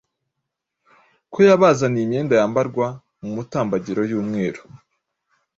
ko yabazaniye imyenda yambarwa mu mutambagiro y’umweru